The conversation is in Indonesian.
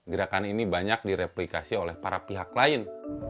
gerakan ini banyak direplikasi oleh para pihak lain